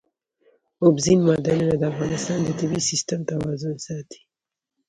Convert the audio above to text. اوبزین معدنونه د افغانستان د طبعي سیسټم توازن ساتي.